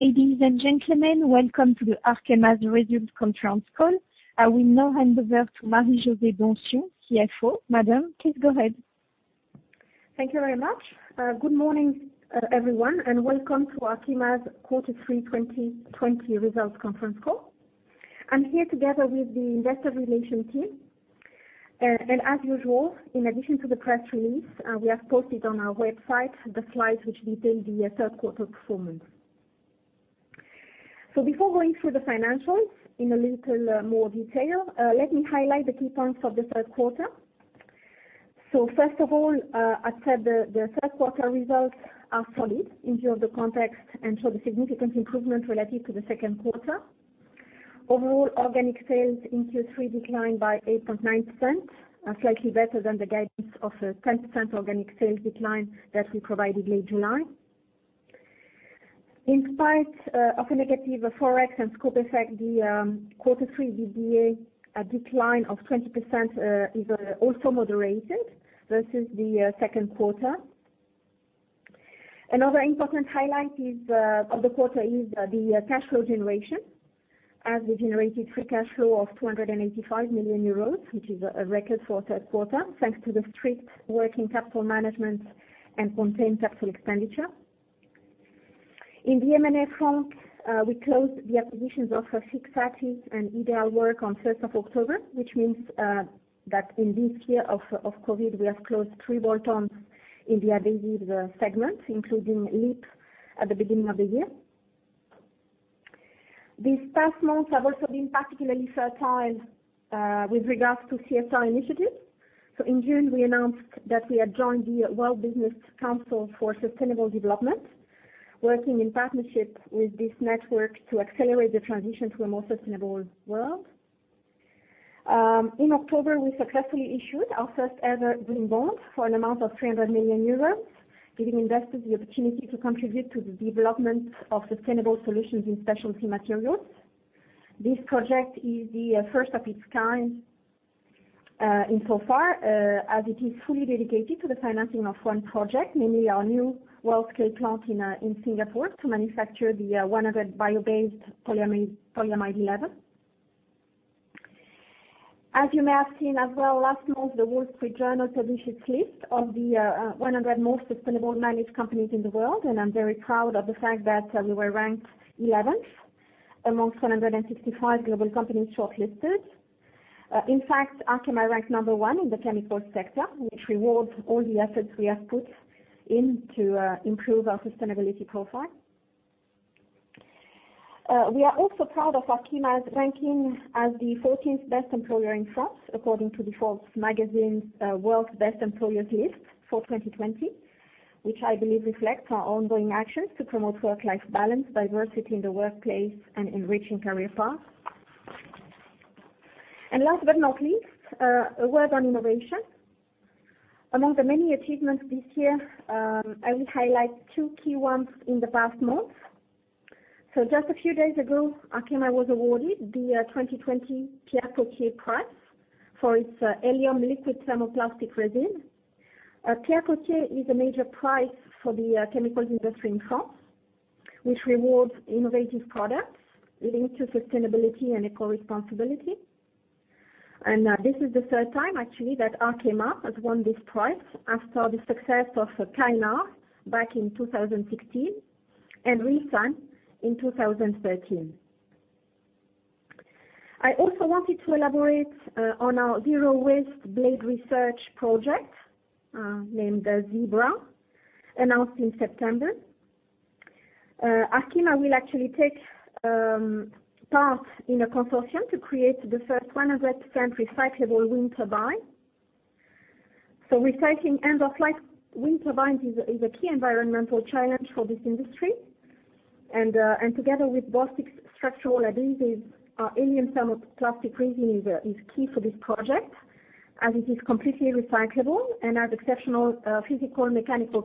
Ladies and gentlemen, welcome to the Arkema's results conference call. I will now hand over to Marie-José Donsion, CFO. Madame, please go ahead. Thank you very much. Good morning, everyone, and welcome to Arkema's Quarter three 2020 results conference call. I'm here together with the investor relation team. As usual, in addition to the press release, we have posted on our website the slides which detail the third quarter performance. Before going through the financials in a little more detail, let me highlight the key points of the third quarter. First of all, I'd say the third quarter results are solid in view of the context and show the significant improvement relative to the second quarter. Overall, organic sales in Q3 declined by 8.9%, slightly better than the guidance of 10% organic sales decline that we provided late July. In spite of a negative ForEx and scope effect, the Quarter three EBITDA decline of 20% is also moderated versus the second quarter. Another important highlight of the quarter is the cash flow generation, as we generated free cash flow of 285 million euros, which is a record for a third quarter, thanks to the strict working capital management and contained CapEx. In the M&A front, we closed the acquisitions of Fixatti and Ideal Work on 1st of October, which means that in this year of COVID, we have closed three bolt-ons in the Adhesive Solutions segment, including LEAP at the beginning of the year. These past months have also been particularly fertile with regards to CSR initiatives. In June, we announced that we had joined the World Business Council for Sustainable Development, working in partnership with this network to accelerate the transition to a more sustainable world. In October, we successfully issued our first-ever green bond for an amount of 300 million euros, giving investors the opportunity to contribute to the development of sustainable solutions in Specialty Materials. This project is the first of its kind, insofar as it is fully dedicated to the financing of one project, namely our new world-scale plant in Singapore to manufacture the 100 bio-based Polyamide 11. As you may have seen as well, last month, The Wall Street Journal published its list of the 100 most sustainable managed companies in the world, and I'm very proud of the fact that we were ranked 11th amongst 165 global companies shortlisted. In fact, Arkema ranked number one in the chemical sector, which rewards all the efforts we have put in to improve our sustainability profile. We are also proud of Arkema's ranking as the 14th best employer in France, according to the Forbes magazine's World's Best Employers list for 2020, which I believe reflects our ongoing actions to promote work-life balance, diversity in the workplace, and enriching career paths. Last but not least, a word on innovation. Among the many achievements this year, I will highlight two key ones in the past month. Just a few days ago, Arkema was awarded the 2020 Pierre Potier Prize for its Elium liquid thermoplastic resin. Pierre Potier is a major prize for the chemicals industry in France, which rewards innovative products linked to sustainability and eco-responsibility. This is the third time actually that Arkema has won this prize after the success of Kynar back in 2016 and Rilsan in 2013. I also wanted to elaborate on our Zero wastE Blade ReseArch project, named ZEBRA, announced in September. Arkema will actually take part in a consortium to create the first 100% recyclable wind turbine. Recycling end-of-life wind turbines is a key environmental challenge for this industry. Together with Bostik's structural adhesives, our Elium thermoplastic resin is key for this project, as it is completely recyclable and has exceptional physical mechanical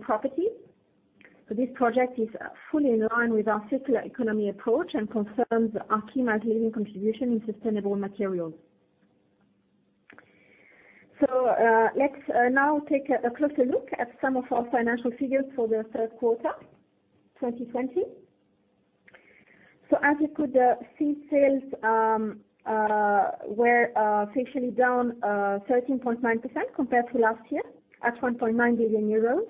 properties. This project is fully in line with our circular economy approach and confirms Arkema's leading contribution in sustainable materials. Let's now take a closer look at some of our financial figures for the third quarter 2020. As you could see, sales were officially down 13.9% compared to last year at 1.9 billion euros,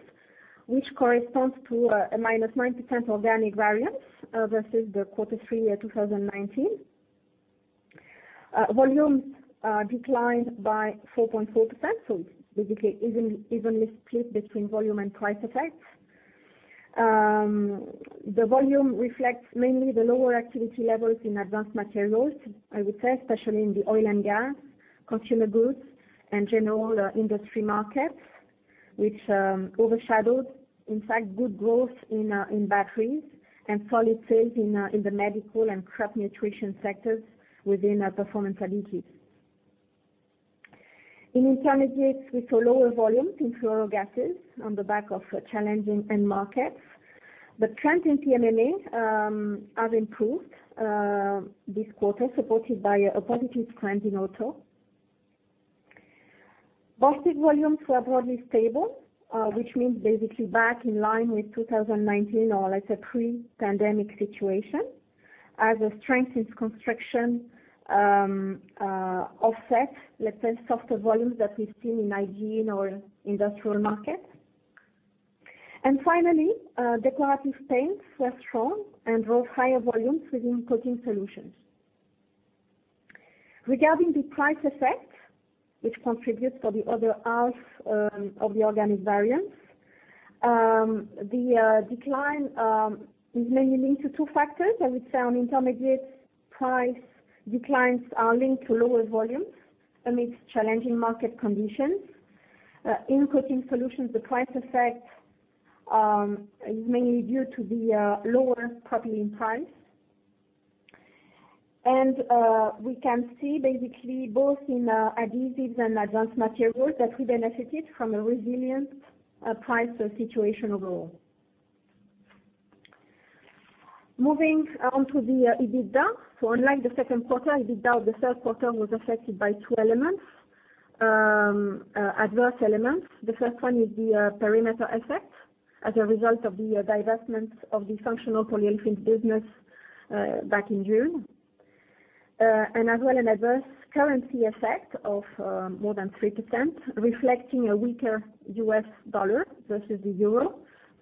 which corresponds to -9% organic variance versus the Quarter three year 2019. Volumes declined by 4.4%, so it's basically evenly split between volume and price effects. The volume reflects mainly the lower activity levels in Advanced Materials, I would say, especially in the oil and gas, consumer goods, and general industry markets, which overshadowed, in fact, good growth in batteries and solid sales in the medical and crop nutrition sectors within Performance Adhesives. In Intermediates, we saw lower volumes in fluorogases on the back of challenging end markets. The trends in PMMA have improved this quarter, supported by a positive trend in auto. Bostik volumes were broadly stable, which means basically back in line with 2019 or a pre-pandemic situation, as a strength in construction offset, let's say, softer volumes that we've seen in hygiene or industrial markets. Finally, decorative paints were strong and drove higher volumes within Coating Solutions. Regarding the price effect, which contributes for the other half of the organic variance, the decline is mainly linked to two factors. I would say on Intermediates, price declines are linked to lower volumes amidst challenging market conditions. In Coating Solutions, the price effect is mainly due to the lower propylene price. We can see basically both in Adhesive Solutions and Advanced Materials that we benefited from a resilient price situation overall. Moving on to the EBITDA. Unlike the second quarter, EBITDA of the third quarter was affected by two elements, adverse elements. The first one is the perimeter effect as a result of the divestment of the functional polyolefins business back in June. As well an adverse currency effect of more than 3%, reflecting a weaker U.S. dollar versus the euros.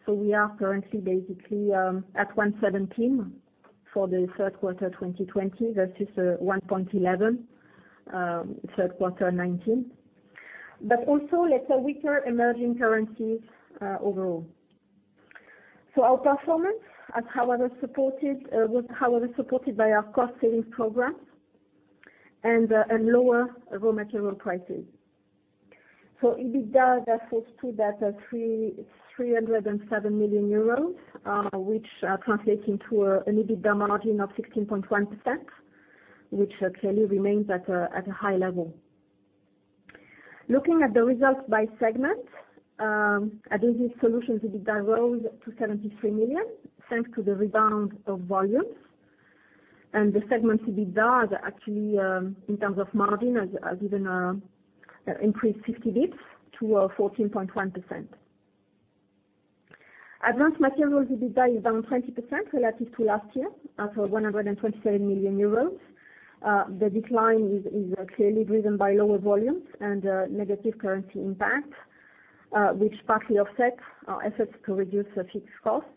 We are currently basically at 117 for the third quarter 2020 versus 111, third quarter 2019. Also, let's say weaker emerging currencies overall. Our performance was however supported by our cost-savings program and lower raw material prices. EBITDA therefore stood at 307 million euros, which translates into an EBITDA margin of 16.1%, which clearly remains at a high level. Looking at the results by segment, Adhesive Solutions EBITDA rose to 73 million, thanks to the rebound of volumes and the segment EBITDA actually, in terms of margin, has even increased 50 basis points to 14.1%. Advanced Materials EBITDA is down 20% relative to last year at 127 million euros. The decline is clearly driven by lower volumes and a negative currency impact, which partly offsets our efforts to reduce fixed costs.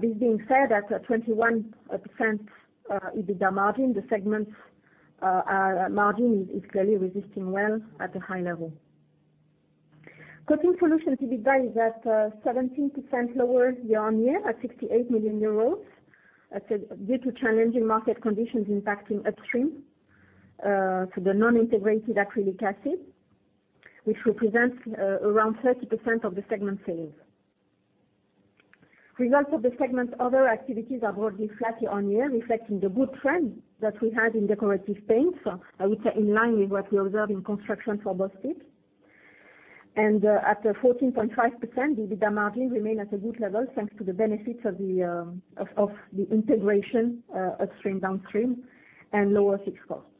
This being said, at a 21% EBITDA margin, the segment's margin is clearly resisting well at a high level. Coating Solutions EBITDA is at 17% lower year-on-year at 68 million euros, due to challenging market conditions impacting upstream. The non-integrated acrylic acid, which represents around 30% of the segment sales. Results of the segment's other activities are broadly flat year-on-year, reflecting the good trend that we had in decorative paints, I would say in line with what we observe in construction for Bostik. At 14.5%, the EBITDA margin remain at a good level, thanks to the benefits of the integration upstream, downstream and lower fixed costs.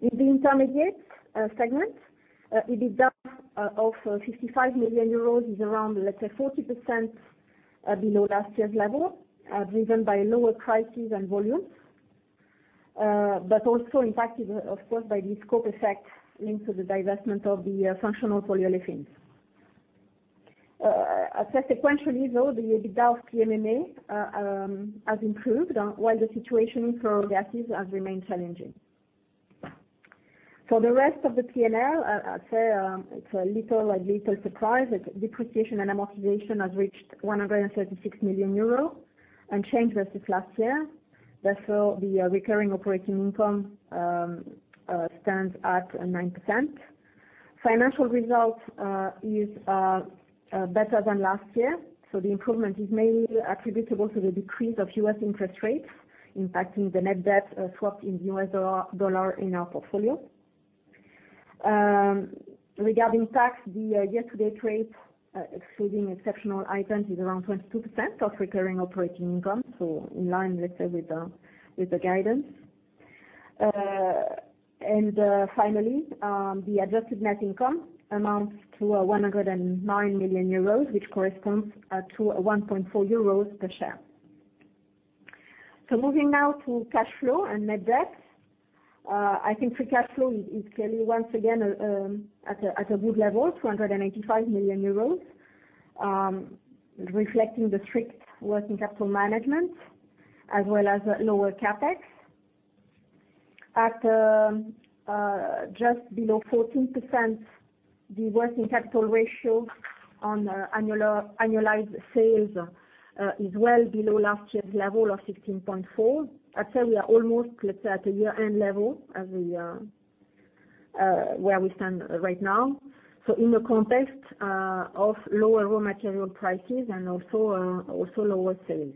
In the Intermediates segment, EBITDA of 55 million euros is around, let's say, 40% below last year's level, driven by lower prices and volumes, but also impacted of course by the scope effect linked to the divestment of the functional polyolefins. At a sequentially low, the EBITDA of PMMA has improved while the situation for gases has remained challenging. For the rest of the P&L, I'd say it's little surprise that depreciation and amortization has reached 136 million euro, unchanged versus last year. The recurring operating income stands at 9%. Financial results is better than last year. The improvement is mainly attributable to the decrease of U.S. interest rates, impacting the net debt swapped in U.S. dollar in our portfolio. Regarding tax, the year-to-date rate, excluding exceptional items, is around 22% of recurring operating income, in line, let's say, with the guidance. Finally, the adjusted net income amounts to 109 million euros, which corresponds to 1.4 euros per share. Moving now to cash flow and net debt. I think free cash flow is clearly once again at a good level, 285 million euros, reflecting the strict working capital management as well as lower CapEx. At just below 14%, the working capital ratio on annualized sales is well below last year's level of 16.4%. I'd say we are almost, let's say, at a year-end level where we stand right now. In a context of lower raw material prices and also lower sales.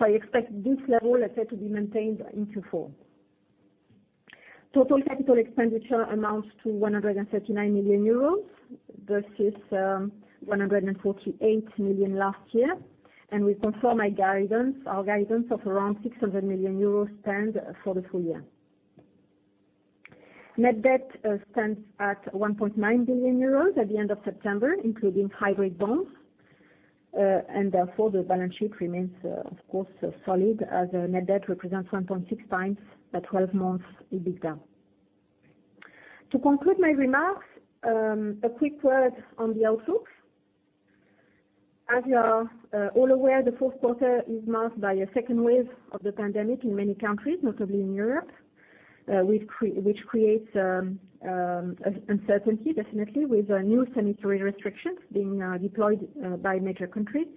I expect this level, let's say, to be maintained into four. Total capital expenditure amounts to 139 million euros. Versus 148 million last year. We confirm our guidance of around 600 million euros spend for the full year. Net debt stands at 1.9 billion euros at the end of September, including hybrid bonds, and therefore the balance sheet remains, of course, solid as net debt represents 1.6x the 12 months. To conclude my remarks, a quick word on the outlook. As you are all aware, the fourth quarter is marked by a second wave of the pandemic in many countries, notably in Europe, which creates uncertainty, definitely, with new sanitary restrictions being deployed by major countries.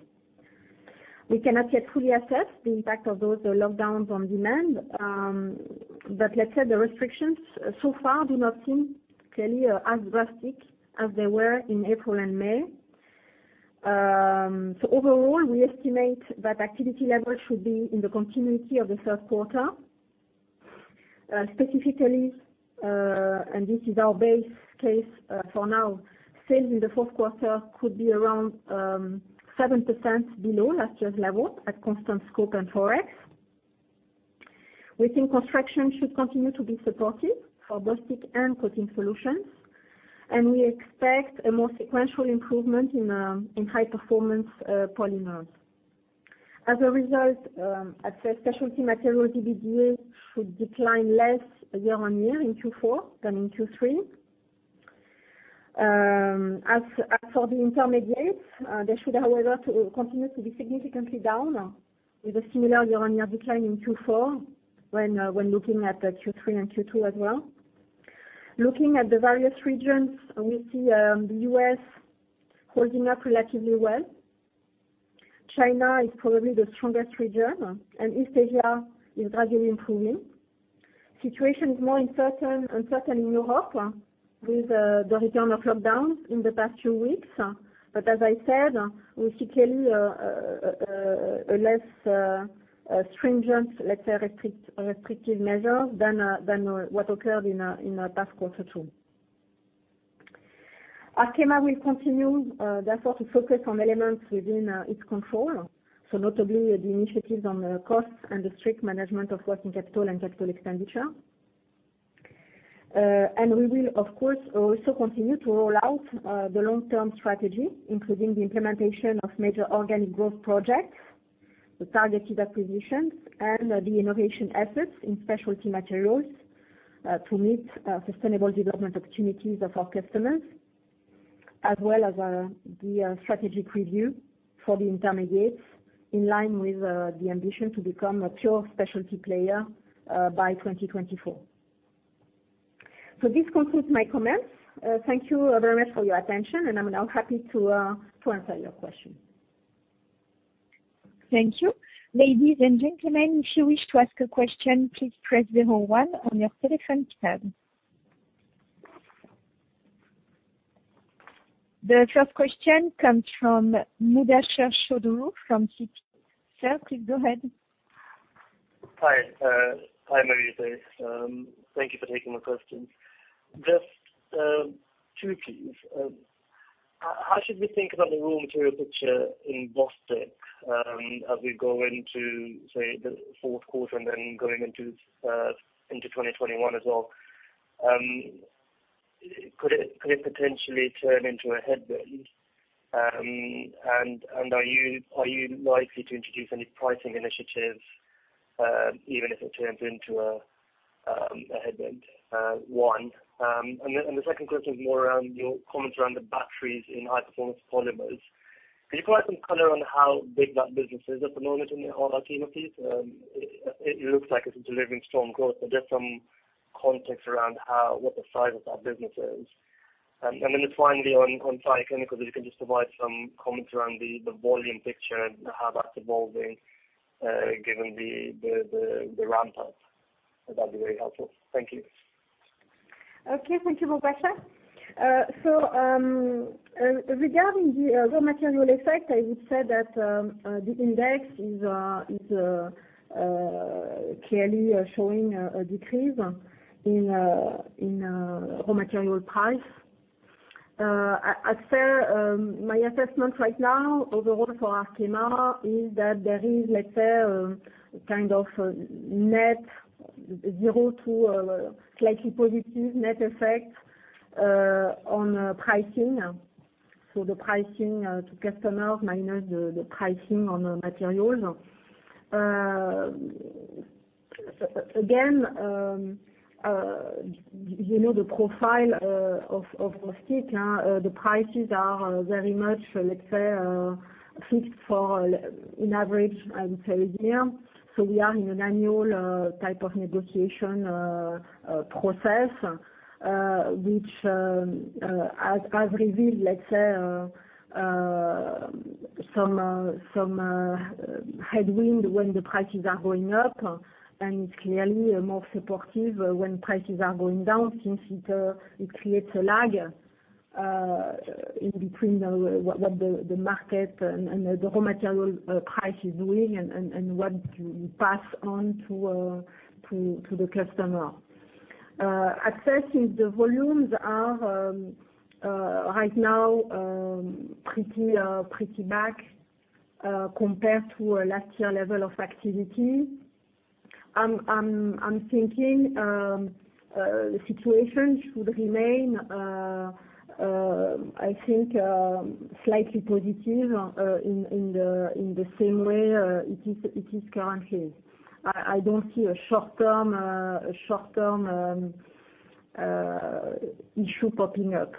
We cannot yet fully assess the impact of those lockdowns on demand, but let's say the restrictions so far do not seem clearly as drastic as they were in April and May. Overall, we estimate that activity levels should be in the continuity of the third quarter. Specifically, and this is our base case for now, sales in the fourth quarter could be around 7% below last year's level at constant scope and ForEx. We think construction should continue to be supportive for Bostik and Coating Solutions, and we expect a more sequential improvement in high-performance polymers. As a result, I'd say Specialty Materials EBITDA should decline less year-on-year in Q4 than in Q3. As for the Intermediates, they should, however, continue to be significantly down with a similar year-on-year decline in Q4 when looking at the Q3 and Q2 as well. Looking at the various regions, we see the U.S. holding up relatively well. China is probably the strongest region, and East Asia is gradually improving. Situation is more uncertain in Europe with the return of lockdowns in the past few weeks. As I said, we see clearly a less stringent, let's say, restrictive measure than what occurred in past quarter two. Arkema will continue, therefore, to focus on elements within its control, so notably the initiatives on the costs and the strict management of working capital and capital expenditure. We will, of course, also continue to roll out the long-term strategy, including the implementation of major organic growth projects, the targeted acquisitions, and the innovation efforts in Specialty Materials to meet sustainable development opportunities of our customers as well as the strategic review for the Intermediates in line with the ambition to become a pure specialty player by 2024. This concludes my comments. Thank you very much for your attention, and I am now happy to answer your questions. Thank you. Ladies and gentlemen, if you wish to ask a question, please press zero one on your telephone keypad. The first question comes from Mubasher Chaudhry from Citi. Sir, please go ahead. Hi, Marie-José. Thank you for taking the questions. Just two, please. How should we think about the raw material picture in Bostik as we go into, say, the fourth quarter and then going into 2021 as well? Could it potentially turn into a headwind, and are you likely to introduce any pricing initiatives even if it turns into a headwind? One. The second question is more around your comments around the batteries in high-performance polymers. Could you provide some color on how big that business is at the moment in the whole Arkema piece? It looks like it's delivering strong growth, but just some context around what the size of that business is. Then just finally, on Thiochemicals, if you can just provide some comments around the volume picture and how that's evolving, given the ramp up. That'd be very helpful. Thank you. Okay, thank you, Mubasher. Regarding the raw material effect, I would say that the index is clearly showing a decrease in raw material price. I'd say my assessment right now overall for Arkema is that there is, let's say, kind of net zero to a slightly positive net effect on pricing. The pricing to customers minus the pricing on materials. Again, you know the profile of Bostik. The prices are very much, let's say, fixed for an average, say, a year. We are in an annual type of negotiation process, which has revealed, let's say, some headwind when the prices are going up, and it's clearly more supportive when prices are going down since it creates a lag in between what the market and the raw material price is doing and what you pass on to the customer. I'd say since the volumes are, right now, pretty compared to last year's level of activity, I'm thinking the situation should remain, I think, slightly positive in the same way it is currently. I don't see a short-term issue popping up.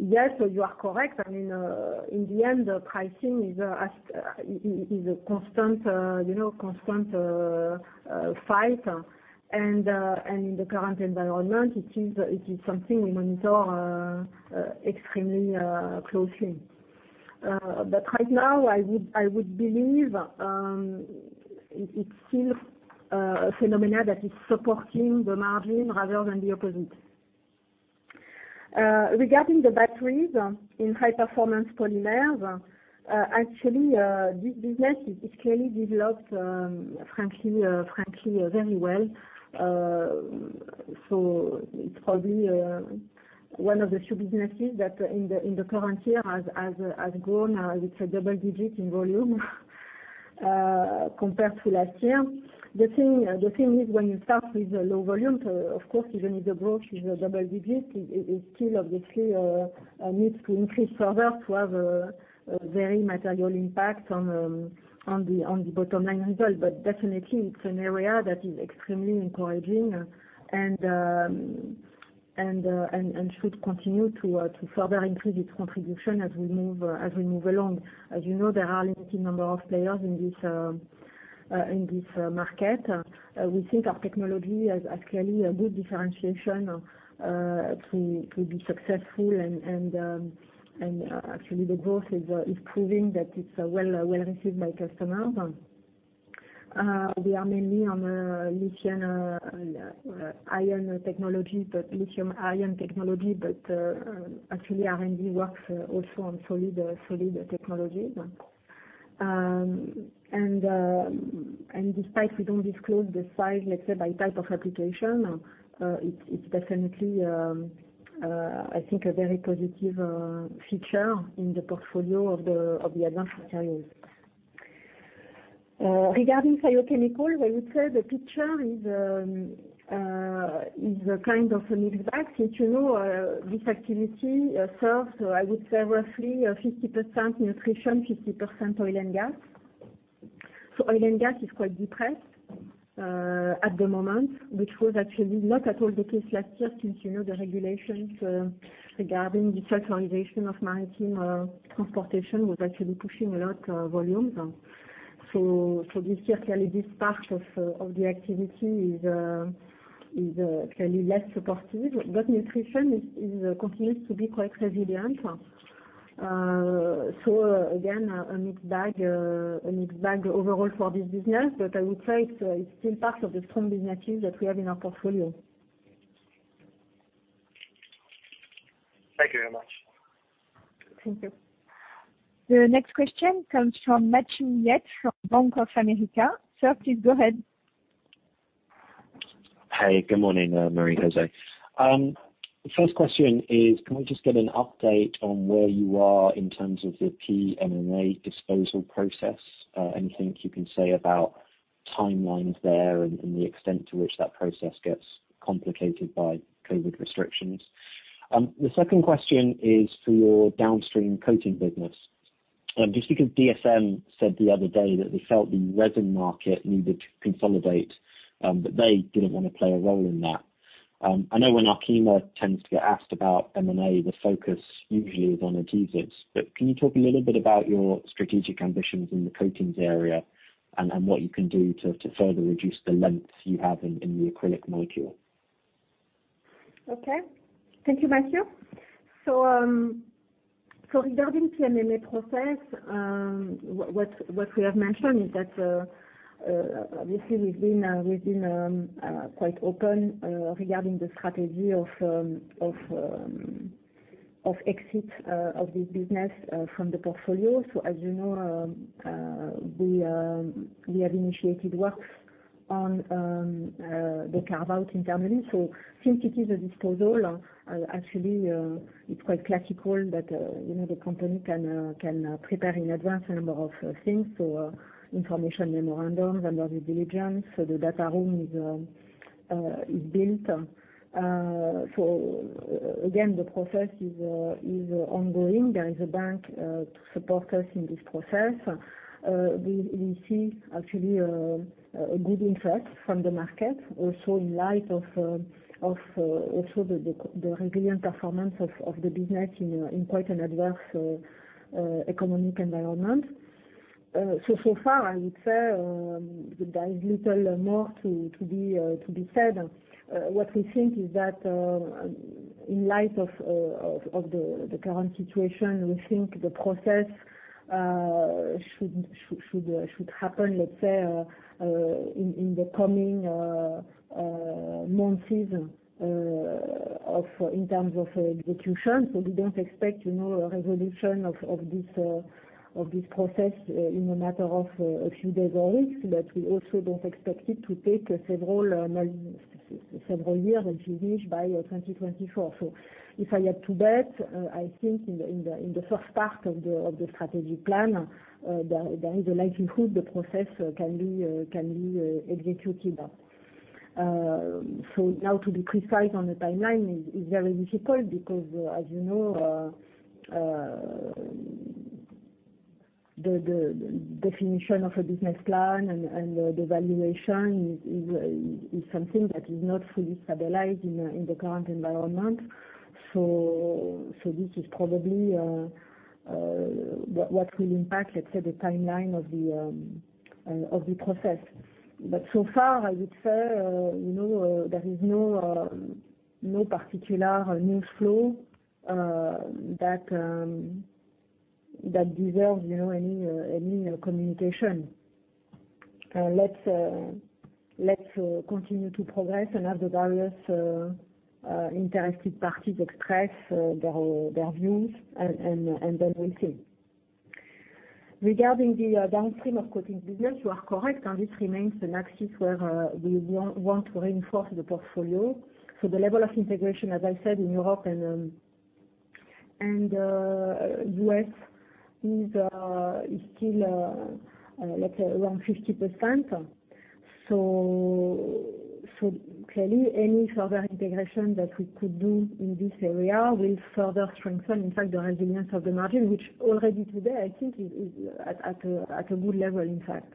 Yes, you are correct. In the end, pricing is a constant fight, and in the current environment, it is something we monitor extremely closely. Right now, I would believe it's still a phenomenon that is supporting the margin rather than the opposite. Regarding the batteries in high-performance polymers, actually, this business is clearly developed, frankly, very well. It's probably one of the few businesses that in the current year has grown, let's say, double digits in volume compared to last year. The thing is, when you start with low volumes, of course, even if the growth is double digits, it still obviously needs to increase further to have a very material impact on the bottom line result. Definitely, it's an area that is extremely encouraging and should continue to further improve its contribution as we move along. As you know, there are a limited number of players in this market. We think our technology has clearly a good differentiation to be successful, and actually the growth is proving that it's well received by customers. We are mainly on a lithium-ion technology, but actually, R&D works also on solid technologies. Despite we don't disclose the size, let's say, by type of application, it's definitely, I think, a very positive feature in the portfolio of the Advanced Materials. Regarding Thiochemicals, I would say the picture is a kind of a mixed bag, which this activity serves, I would say, roughly 50% nutrition, 50% oil and gas. Oil and gas is quite depressed at the moment, which was actually not at all the case last year since the regulations regarding the sulfurization of maritime transportation was actually pushing a lot of volumes. This year, clearly this part of the activity is clearly less supportive, but nutrition continues to be quite resilient. Again, a mixed bag overall for this business, but I would say it's still part of the strong businesses that we have in our portfolio. Thank you very much. Thank you. The next question comes from Matthew Yates from Bank of America. Sir, please go ahead. Hey, good morning, Marie-José. First question is, can we just get an update on where you are in terms of the PMMA disposal process? Anything you can say about timelines there and the extent to which that process gets complicated by COVID restrictions? The second question is for your downstream coating business. Just because DSM said the other day that they felt the resin market needed to consolidate, but they didn't want to play a role in that. I know when Arkema tends to get asked about M&A, the focus usually is on adhesives, but can you talk a little bit about your strategic ambitions in the coatings area and what you can do to further reduce the lengths you have in the acrylic molecule? Thank you, Matthew. Regarding PMMA process, what we have mentioned is that obviously we've been quite open regarding the strategy of exit of this business from the portfolio. As you know, we have initiated works on the carve-out internally. Since it is a disposal, actually, it's quite classical that the company can prepare in advance a number of things, information memorandums and other due diligence. The data room is built. Again, the process is ongoing. There is a bank to support us in this process. We see actually a good interest from the market also in light of also the resilient performance of the business in quite an adverse economic environment. So far, I would say there is little more to be said. What we think is that in light of the current situation, we think the process should happen, let's say, in the coming months in terms of execution. We don't expect a resolution of this process in a matter of a few days or weeks, but we also don't expect it to take several years and finish by 2024. If I had to bet, I think in the first part of the strategic plan, there is a likelihood the process can be executed. Now to be precise on the timeline is very difficult because, as you know, the definition of a business plan and the valuation is something that is not fully stabilized in the current environment. This is probably what will impact, let's say, the timeline of the process. So far, I would say, there is no particular new flow that deserves any communication. Let's continue to progress and have the various interested parties express their views, and then we'll see. Regarding the downstream of Coating Solutions business, you are correct, this remains an axis where we want to reinforce the portfolio. The level of integration, as I said, in Europe and U.S. is still, let's say, around 50%. Clearly, any further integration that we could do in this area will further strengthen, in fact, the resilience of the margin, which already today, I think is at a good level, in fact.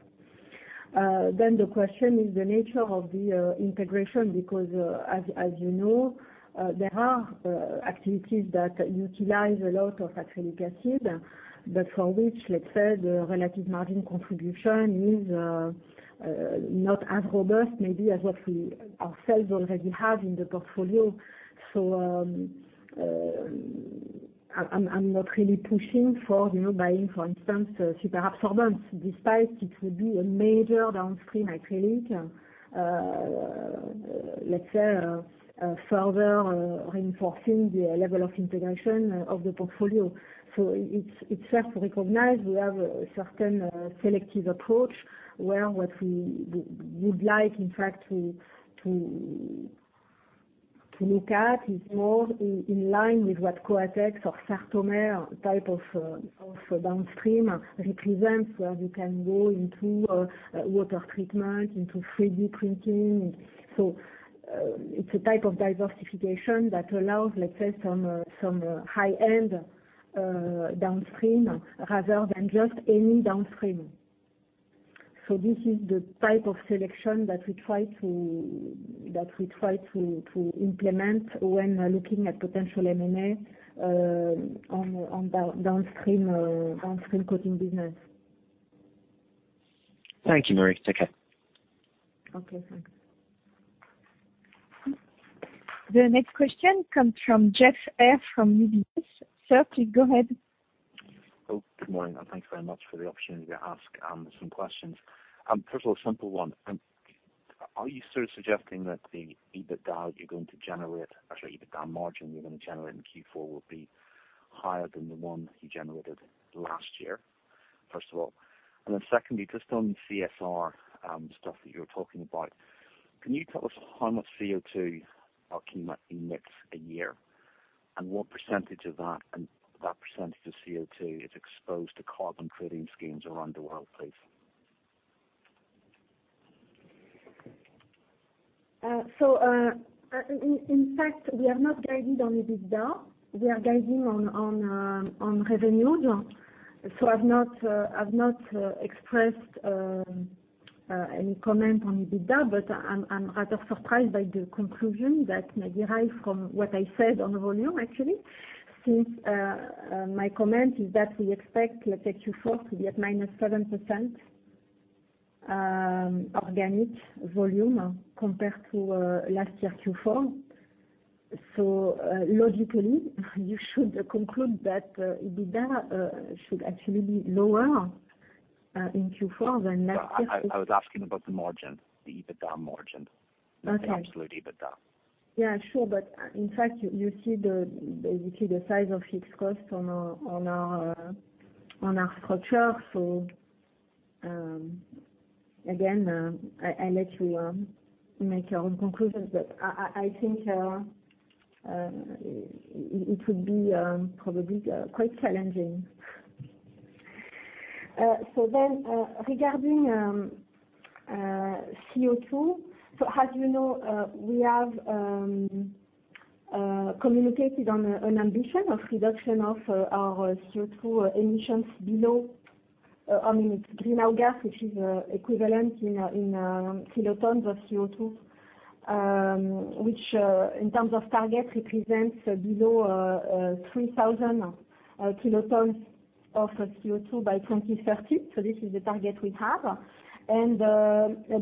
The question is the nature of the integration, because as you know, there are activities that utilize a lot of acrylic acid, for which, let's say, the relative margin contribution is not as robust maybe as what we ourselves already have in the portfolio. I'm not really pushing for buying, for instance, superabsorbents, despite it would be a major downstream acrylic. Let's say, further reinforcing the level of integration of the portfolio. It's fair to recognize we have a certain selective approach where what we would like, in fact, to look at is more in line with what Coatex or Sartomer type of downstream represents, where you can go into water treatment, into 3D printing. It's a type of diversification that allows, let's say, some high-end downstream rather than just any downstream. This is the type of selection that we try to implement when looking at potential M&A on downstream coating business. Thank you, Marie. Take care. Okay. Thanks. The next question comes from Geoff Haire from UBS. Sir, please go ahead. Oh, good morning, and thanks very much for the opportunity to ask some questions. First of all, a simple one. Are you sort of suggesting that the EBITDA you're going to generate, actually EBITDA margin you're going to generate in Q4 will be higher than the one that you generated last year, first of all? Secondly, just on CSR, stuff that you were talking about, can you tell us how much CO2 Arkema emits a year, and what % of that, and that % of CO2 is exposed to carbon trading schemes around the world, please? In fact, we have not guided on EBITDA. We are guiding on revenue. I've not expressed any comment on EBITDA, but I'm rather surprised by the conclusion that may derive from what I said on volume actually, since my comment is that we expect, let's say Q4 to be at -7% organic volume compared to last year Q4. Logically, you should conclude that EBITDA should actually be lower in Q4 than last year Q4. I was asking about the margin, the EBITDA margin. Okay. Not the absolute EBITDA. Yeah, sure. In fact, you see basically the size of fixed cost on our structure. Again, I let you make your own conclusions, but I think it would be probably quite challenging. Regarding CO2, as you know, we have communicated on an ambition of reduction of our CO2 emissions below, I mean, it's greenhouse gas, which is equivalent in kilotons of CO2, which, in terms of target, represents below 3,000 kt of CO2 by 2030. This is the target we have.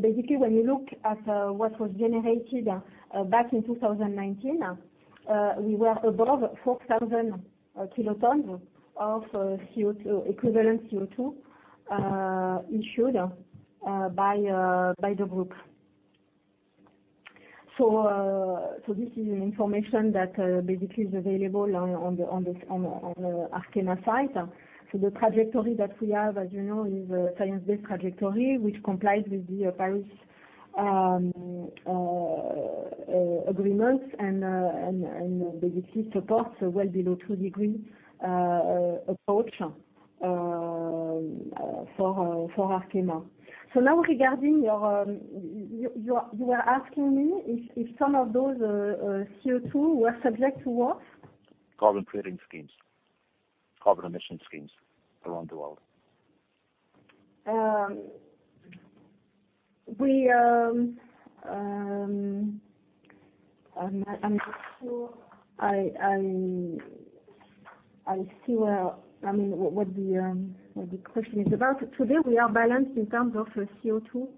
Basically, when you look at what was generated back in 2019, we were above 4,000 kt of equivalent CO2 issued by the group. This is information that basically is available on the Arkema site. The trajectory that we have, as you know, is a science-based trajectory, which complies with the Paris Agreements and basically supports a well below two degree approach for Arkema. Now regarding, you were asking me if some of those CO2 were subject to what? Carbon trading schemes. Carbon emission schemes around the world. I'm not sure I see what the question is about. Today, we are balanced in terms of CO2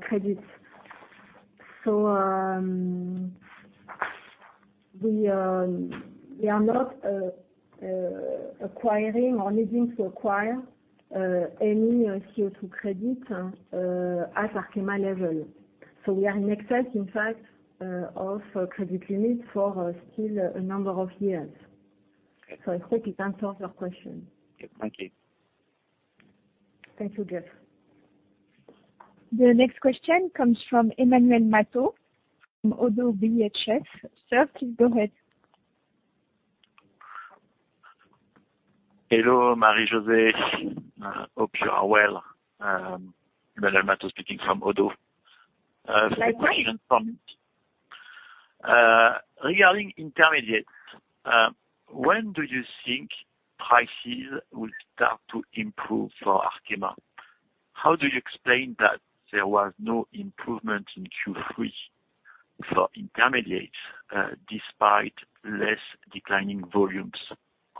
credits. We are not acquiring or needing to acquire any CO2 credit at Arkema level. We are in excess, in fact, of credit limit for still a number of years. I hope it answers your question. Thank you. Thank you, Geoff. The next question comes from Emmanuel Matot from ODDO BHF. Sir, please go ahead. Hello, Marie-José. Hope you are well. Emmanuel Matot speaking from ODDO. Hi. A few questions from me. Regarding Intermediates, when do you think prices will start to improve for Arkema? How do you explain that there was no improvement in Q3 for Intermediates, despite less declining volumes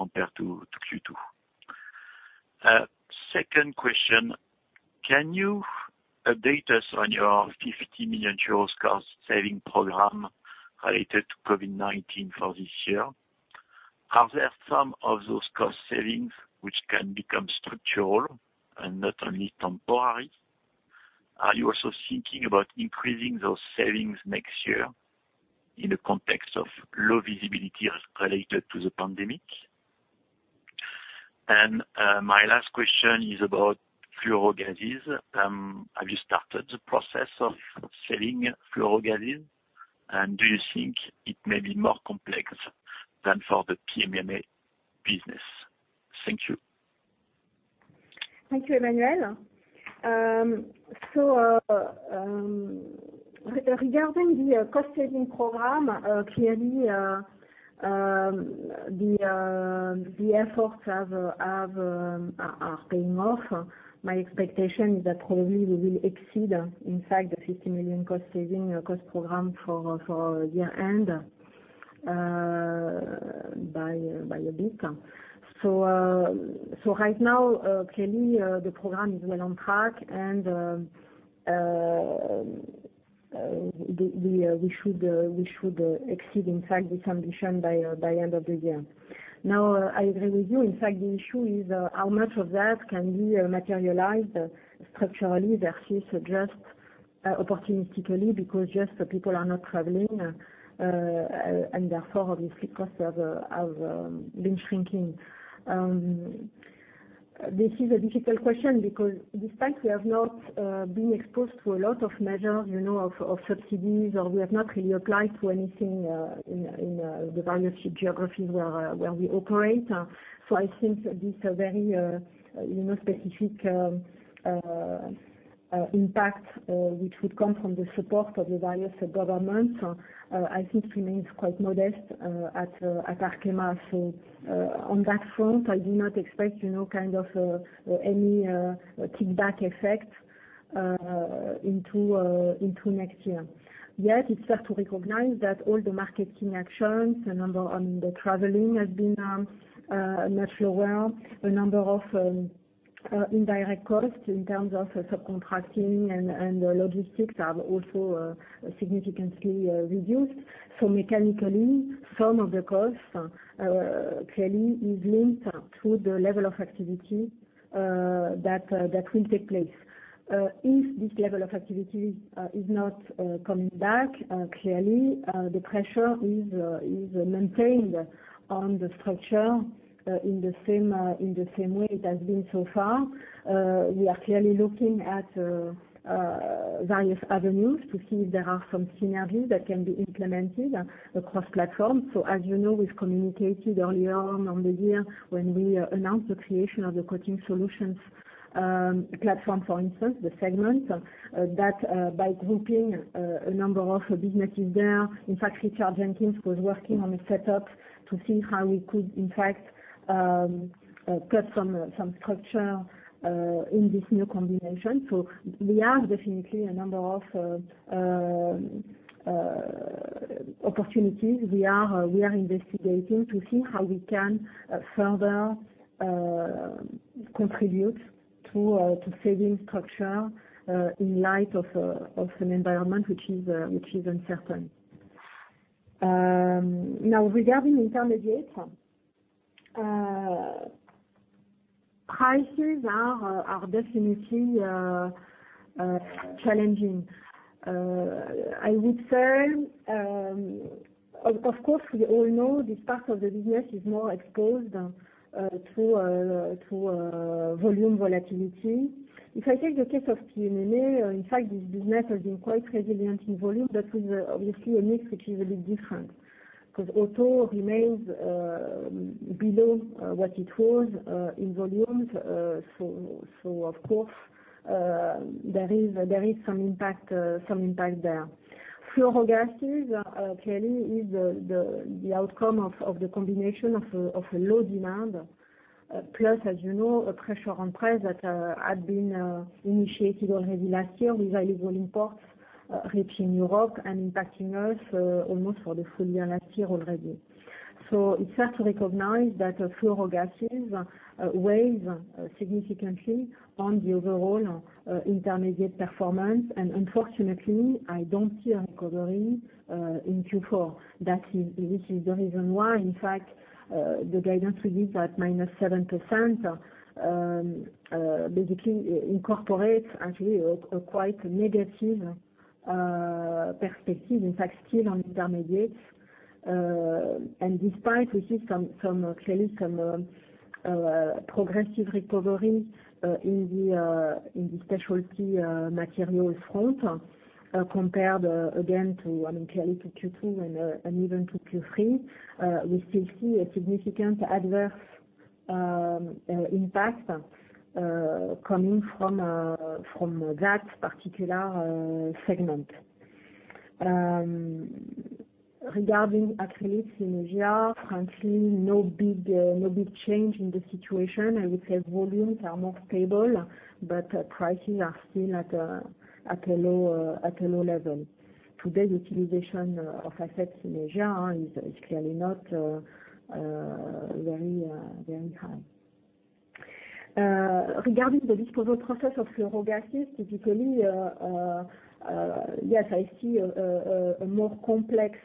compared to Q2? Second question, can you update us on your 50 million euros cost-saving program related to COVID-19 for this year? Are there some of those cost savings which can become structural and not only temporary? Are you also thinking about increasing those savings next year in the context of low visibility as related to the pandemic? My last question is about fluorogases. Have you started the process of selling fluorogases, and do you think it may be more complex than for the PMMA business? Thank you. Thank you, Emmanuel. Regarding the cost-saving program, clearly, the efforts are paying off. My expectation is that probably we will exceed, in fact, the 50 million cost-saving cost program for year-end, by a bit. Right now, clearly, the program is well on track and, we should exceed, in fact, this ambition by end of the year. I agree with you. In fact, the issue is how much of that can be materialized structurally versus just opportunistically because just the people are not traveling, and therefore, obviously, costs have been shrinking. This is a difficult question because despite we have not been exposed to a lot of measures, of subsidies or we have not really applied to anything in the various geographies where we operate. I think this very specific impact, which would come from the support of the various governments, I think remains quite modest at Arkema. On that front, I do not expect kind of any kickback effect into next year. Yet, it's fair to recognize that all the market key actions and the traveling has been much lower. A number of indirect costs in terms of subcontracting and logistics are also significantly reduced. Mechanically, some of the cost, clearly, is linked to the level of activity that will take place. If this level of activity is not coming back, clearly, the pressure is maintained on the structure, in the same way it has been so far. We are clearly looking at various avenues to see if there are some synergies that can be implemented across platforms. As you know, we've communicated earlier on the year when we announced the creation of the Coating Solutions platform, for instance, the segment, that by grouping a number of businesses there, Richard Jenkins was working on a setup to see how we could, in fact, cut some structure in this new combination. We have definitely a number of opportunities. We are investigating to see how we can further contribute to saving structure, in light of an environment which is uncertain. Regarding Intermediates, prices are definitely challenging. I would say, of course, we all know this part of the business is more exposed to volume volatility. If I take the case of PMMA, in fact, this business has been quite resilient in volume, but with obviously a mix, which is a bit different. Because auto remains below what it was in volumes, of course, there is some impact there. fluorogases, clearly is the outcome of the combination of a low demand plus, as you know, pressure on price that had been initiated already last year with illegal imports reaching Europe and impacting us almost for the full year last year already. It's hard to recognize that fluorogases weighs significantly on the overall Intermediates performance, and unfortunately, I don't see a recovery in Q4. Which is the reason why, in fact, the guidance we give at -7% basically incorporates actually a quite negative perspective, in fact still on Intermediates. Despite we see clearly some progressive recovery in the Specialty Materials front, compared again to, I mean, clearly to Q2 and even to Q3, we still see a significant adverse impact coming from that particular segment. Regarding acrylics in Asia, frankly, no big change in the situation. I would say volumes are more stable, but pricing are still at a low level. Today, the utilization of assets in Asia is clearly not very high. Regarding the disposal process of fluorogases, typically, yes, I see a more complex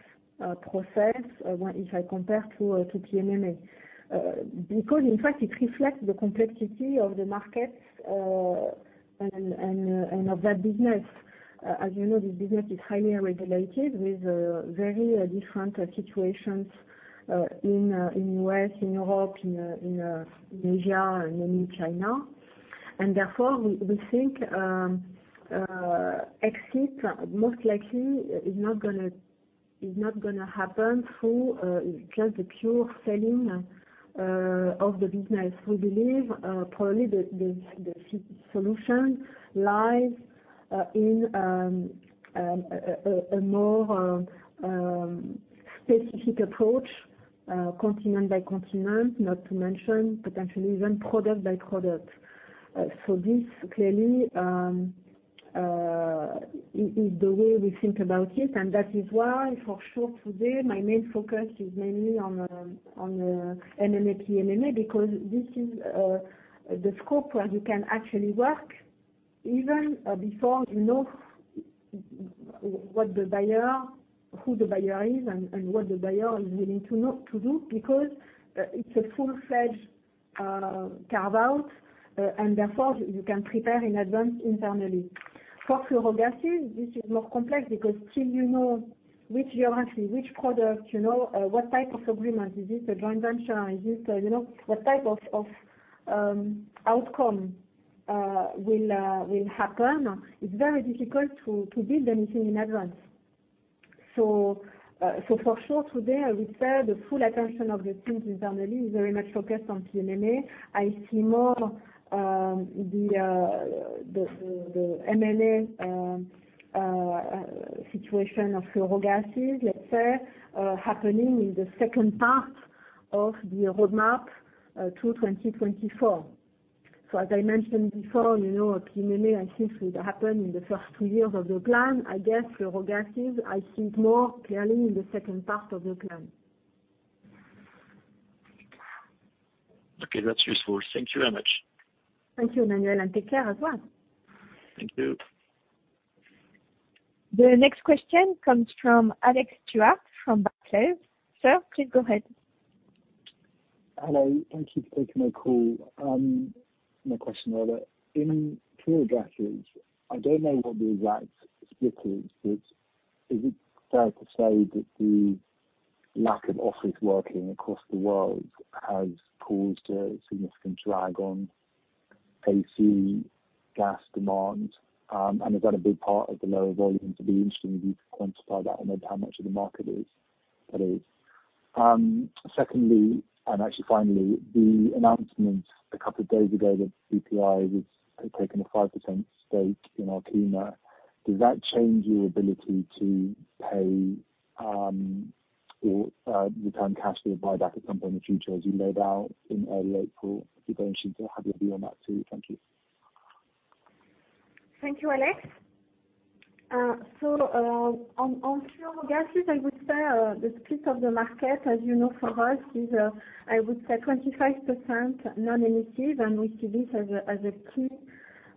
process if I compare to PMMA. In fact, it reflects the complexity of the markets and of that business. As you know, this business is highly regulated with very different situations in U.S., in Europe, in Asia, and in China. Therefore, we think exit most likely is not going to happen through just the pure selling of the business. We believe, probably the solution lies in a more specific approach, continent by continent, not to mention potentially even product by product. This clearly is the way we think about it, and that is why, for sure today, my main focus is mainly on MMA, PMMA because this is the scope where you can actually work even before you know who the buyer is and what the buyer is willing to do because it's a full-fledged carve-out, and therefore, you can prepare in advance internally. For fluorogases, this is more complex because till you know which geography, which product, you know what type of agreement, is it a joint venture, is it what type of outcome will happen, it's very difficult to build anything in advance. For sure today, I would say the full attention of the teams internally is very much focused on PMMA. I see more the MMA situation of fluorogases, let's say, happening in the second part of the roadmap to 2024. As I mentioned before, PMMA I think will happen in the first two years of the plan. I guess fluorogases, I think more clearly in the second part of the plan. Okay, that's useful. Thank you very much. Thank you, Emmanuel, and take care as well. Thank you. The next question comes from Alex Stewart from Barclays. Sir, please go ahead. Hello. Thank you for taking my call. My question order. In fluorogases, I don't know what the exact split is, but is it fair to say that the lack of office working across the world has caused a significant drag on AC gas demand, and is that a big part of the lower volume? It'd be interesting if you could quantify that or maybe how much of the market that is. Secondly, and actually finally, the announcement a couple of days ago that Bpifrance was taking a 5% stake in Arkema, does that change your ability to pay or return cash to a buyback at some point in the future, as you laid out in early April? If you don't choose to have your view on that, too. Thank you. Thank you, Alex. On fluorogases, the split of the market, as you know for us, is 25% non-emissive, and we see this as a key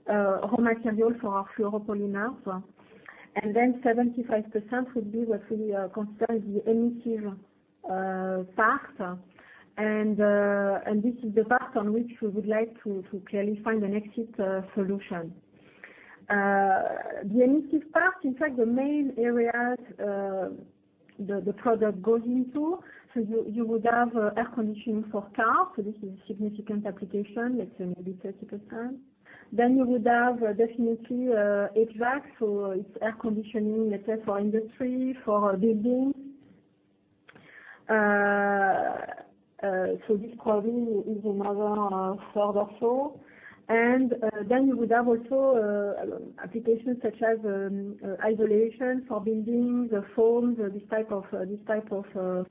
raw material for our fluoropolymers. 75% would be what we consider the emissive part, and this is the part on which we would like to clearly find an exit solution. The emissive part, in fact, the main areas the product goes into. You would have air conditioning for cars. This is a significant application, let's say maybe 30%. You would have definitely HVAC, so it's air conditioning, let's say for industry, for buildings. This probably is another third or so. You would have also applications such as isolation for buildings, foams, this type of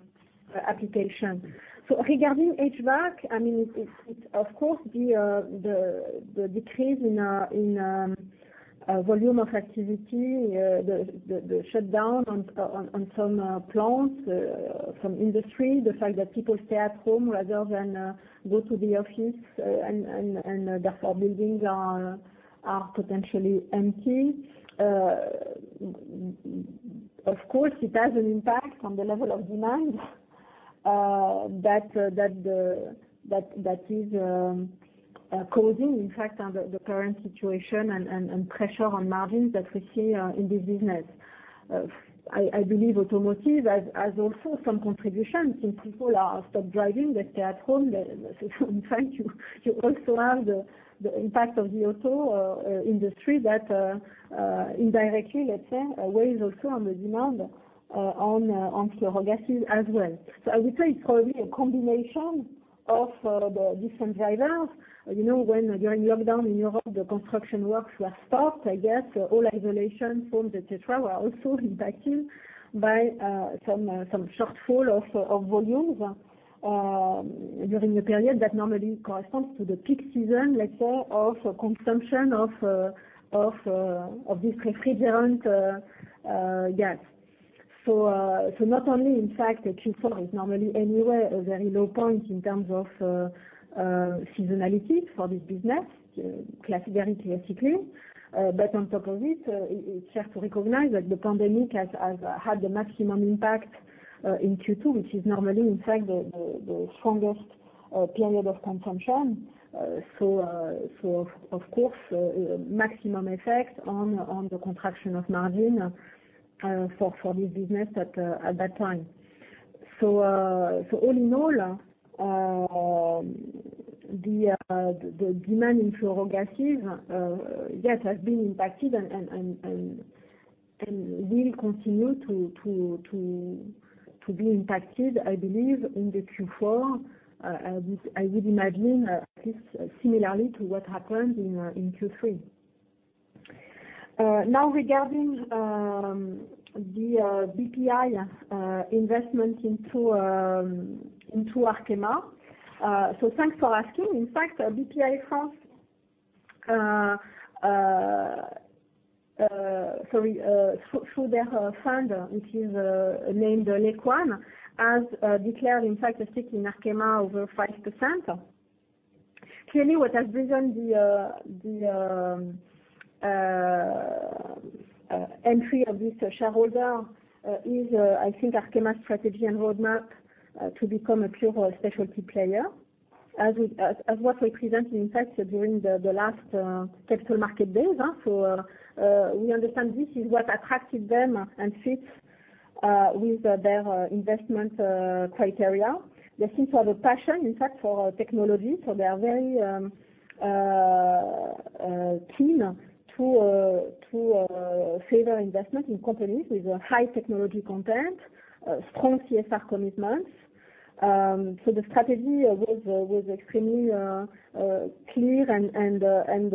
application. Regarding HVAC, it's of course the decrease in volume of activity, the shutdown on some plants, some industry, the fact that people stay at home rather than go to the office and therefore buildings are potentially empty. Of course, it has an impact on the level of demand that is causing, in fact, the current situation and pressure on margins that we see in this business. I believe automotive has also some contribution since people are stop driving, they stay at home. In fact, you also have the impact of the auto industry that indirectly, let's say, weighs also on the demand on fluorogases as well. I would say it's probably a combination of the different drivers. During lockdown in Europe, the construction works were stopped, I guess all isolation foams, et cetera, were also impacted by some shortfall of volumes during the period that normally corresponds to the peak season, let's say, of consumption of this refrigerant gas. Not only, in fact, Q4 is normally anyway a very low point in terms of seasonality for this business, classically, but on top of it's fair to recognize that the pandemic has had the maximum impact in Q2, which is normally, in fact, the strongest period of consumption. Of course, maximum effect on the contraction of margin for this business at that time. All in all, the demand in fluorogases, yes, has been impacted and will continue to be impacted, I believe, in the Q4. I would imagine at least similarly to what happened in Q3. Regarding the Bpi investment into Arkema. Thanks for asking. In fact, Bpifrance through their fund, which is named Lac1, has declared, in fact, a stake in Arkema over 5%. Clearly, what has driven the entry of this shareholder is, I think Arkema's strategy and roadmap to become a pure specialty player. As what we presented, in fact, during the last Capital Market Days. We understand this is what attracted them and fits with their investment criteria. They seem to have a passion, in fact, for technology, so they are very keen to favor investment in companies with a high technology content, strong CSR commitments. The strategy was extremely clear and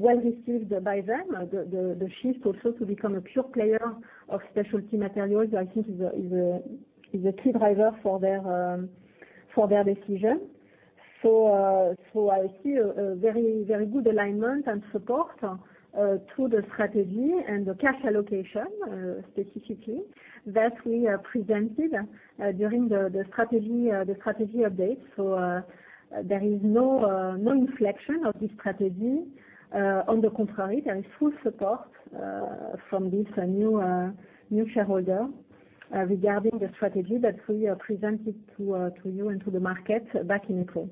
well received by them. The shift also to become a pure player of specialty materials, I think is a key driver for their decision. I see a very good alignment and support to the strategy and the cash allocation, specifically that we presented during the strategy update. There is no inflection of this strategy. On the contrary, there is full support from this new shareholder regarding the strategy that we presented to you and to the market back in April.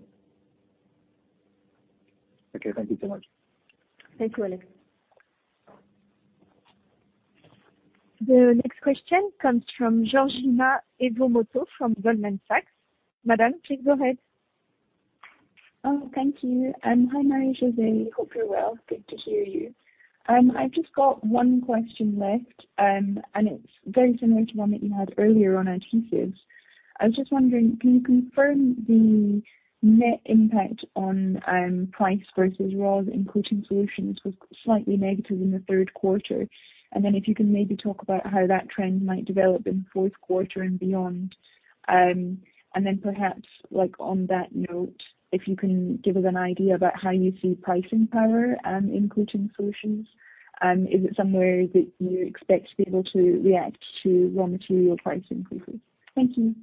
Okay. Thank you so much. Thank you, Alex. The next question comes from Georgina Iwamoto from Goldman Sachs. Madame, please go ahead. Oh, thank you. Hi, Marie-José. Hope you're well. Good to hear you. I've just got one question left, and it's very similar to one that you had earlier on adhesives. I was just wondering, can you confirm the net impact on price versus raw in Coating Solutions was slightly negative in the third quarter. If you can maybe talk about how that trend might develop in fourth quarter and beyond. Perhaps, on that note, if you can give us an idea about how you see pricing power in Coating Solutions. Is it somewhere that you expect to be able to react to raw material price increases? Thank you.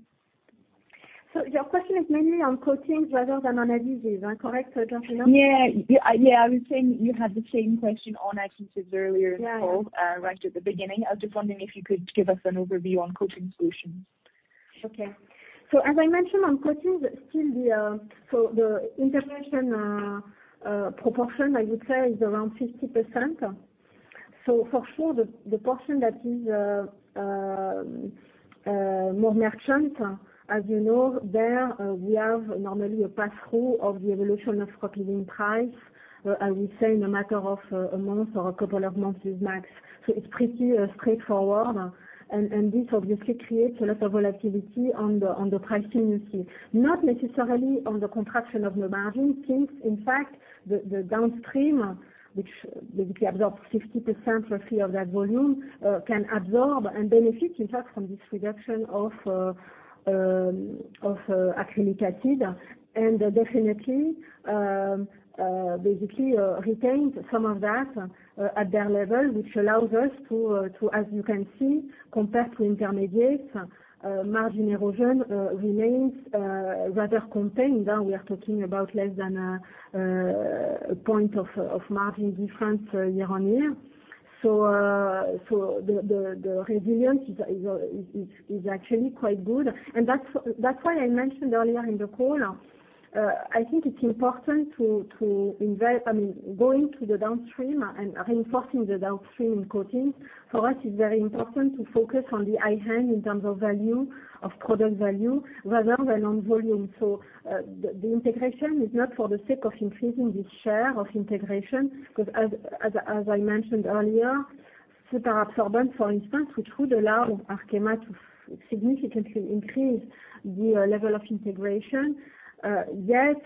Your question is mainly on coatings rather than on adhesives, correct, Georgina? Yeah. I was saying you had the same question on adhesives earlier in the call. Yeah. Right at the beginning. I was just wondering if you could give us an overview on Coating Solutions? Okay. As I mentioned on coatings, still the integration proportion, I would say, is around 50%. For sure, the portion that is more merchant, as you know, there we have normally a pass-through of the evolution of propylene price, I would say in a matter of a month or a couple of months with max. It's pretty straightforward. This obviously creates a lot of volatility on the pricing you see. Not necessarily on the contraction of the margin since, in fact, the downstream, which basically absorbs 50% roughly of that volume, can absorb and benefit, in fact, from this reduction of acrylic acid. Definitely, basically retains some of that at their level, which allows us to, as you can see, compared to Intermediates, margin erosion remains rather contained. We are talking about less than a point of margin difference year-on-year. The resilience is actually quite good. That's why I mentioned earlier in the call, I think it's important to invest, I mean, going to the downstream and reinforcing the downstream in coatings. For us, it's very important to focus on the high end in terms of value, of product value, rather than on volume. The integration is not for the sake of increasing this share of integration, because as I mentioned earlier, superabsorbent, for instance, which would allow Arkema to significantly increase the level of integration. Yet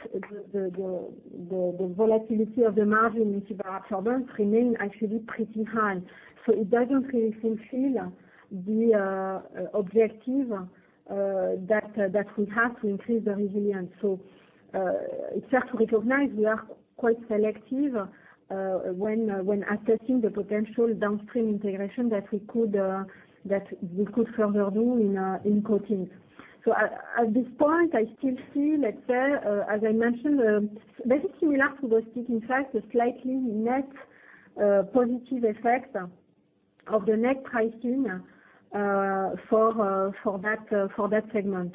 the volatility of the margin with superabsorbent remains actually pretty high. It doesn't really fulfill the objective that we have to increase the resilience. It's fair to recognize we are quite selective when assessing the potential downstream integration that we could further do in coatings. At this point, I still see, let's say, as I mentioned, basically similar to Bostik, in fact, a slightly net positive effect of the net pricing for that segment.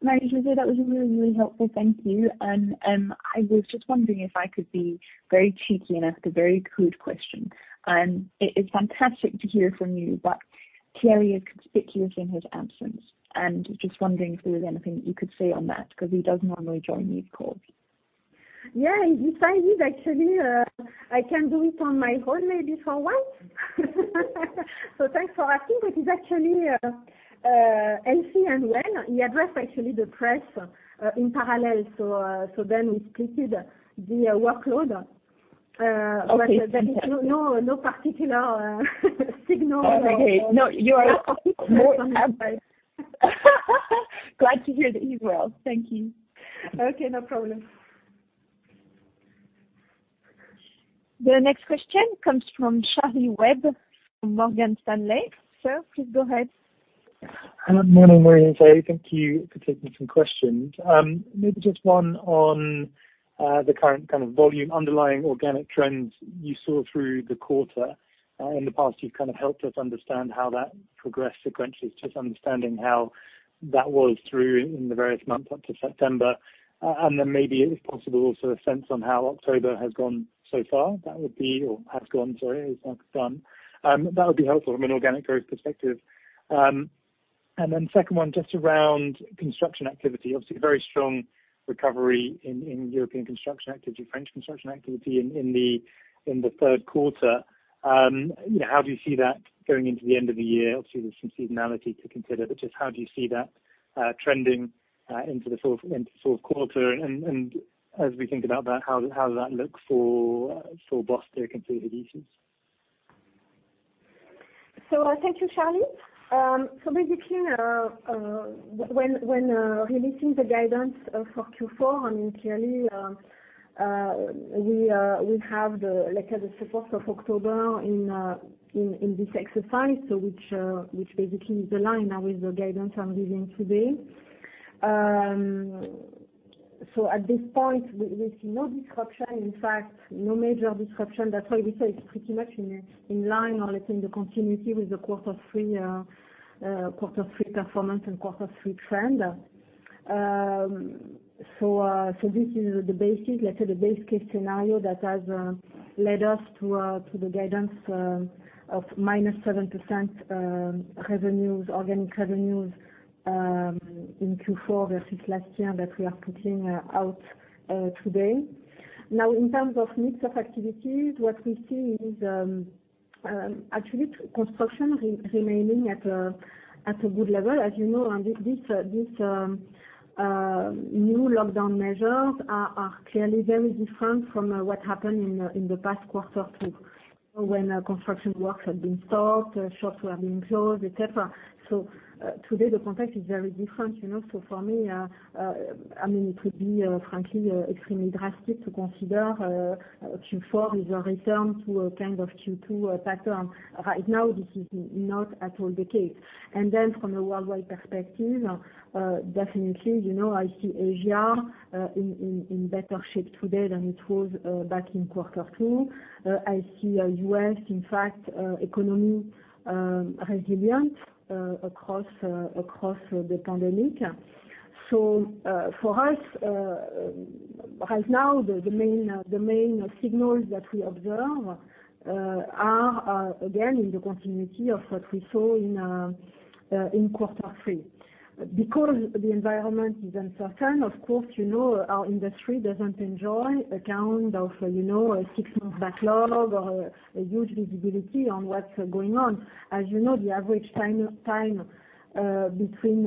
Marie-José, that was really helpful. Thank you. I was just wondering if I could be very cheeky and ask a very crude question. It is fantastic to hear from you, but Thierry is conspicuous in his absence. Just wondering if there was anything that you could say on that, because he does normally join these calls? Yeah, if I need, actually, I can do it on my own maybe for once. Thanks for asking. He's actually healthy and well. He addressed actually the press in parallel. We split the workload. Okay. There's no particular signal. Okay. No, you are more than glad to hear that he's well. Thank you. Okay, no problem. The next question comes from Charles Webb from Morgan Stanley. Sir, please go ahead. Morning, Marie-José. Thank you for taking some questions. Just one on the current kind of volume underlying organic trends you saw through the quarter. In the past, you've kind of helped us understand how that progressed sequentially, just understanding how that was through in the various months up to September. If possible, also a sense on how October has gone so far, that would be, or has gone, sorry. That would be helpful from an organic growth perspective. Second one, just around construction activity, obviously a very strong recovery in European construction activity, French construction activity in the third quarter. How do you see that going into the end of the year? Obviously, there's some seasonality to consider, but just how do you see that trending into fourth quarter? As we think about that, how does that look for Bostik and for Adhesive Solutions? Thank you, Charles. Basically, when releasing the guidance for Q4, I mean, clearly, we have the support of October in this exercise, which basically is aligned now with the guidance I'm giving today. At this point, we see no disruption, in fact, no major disruption. That's why we say it's pretty much in line or, let's say, in the continuity with the quarter three performance and quarter three trend. This is the basis, let's say, the base case scenario that has led us to the guidance of -7% revenues, organic revenues in Q4 versus last year that we are putting out today. In terms of mix of activities, what we see is actually construction remaining at a good level. As you know, these new lockdown measures are clearly very different from what happened in the past quarter two, when construction works had been stopped, shops were being closed, et cetera. Today, the context is very different. For me, I mean, it would be frankly extremely drastic to consider Q4 is a return to a kind of Q2 pattern. Right now, this is not at all the case. From a worldwide perspective, definitely, I see Asia in better shape today than it was back in quarter two. I see U.S., in fact, economy resilient across the pandemic. For us, right now, the main signals that we observe are, again, in the continuity of what we saw in quarter three. Because the environment is uncertain, of course, our industry doesn't enjoy a count of a six-month backlog or a huge visibility on what's going on. As you know, the average time between